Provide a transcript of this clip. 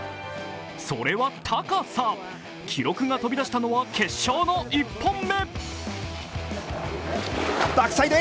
それは、高さ、記録が飛び出したのは決勝の１本目。